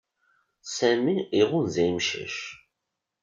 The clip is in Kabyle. Sami iɣunza imcac.